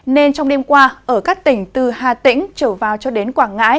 nên trong đêm qua ở các tỉnh từ hà tĩnh trở vào cho đến quảng ngãi